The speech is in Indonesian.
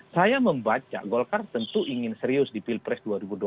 saya membaca golkar tentu ingin serius di pilpres dua ribu dua puluh